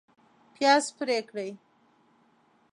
پیاز پرې کړئ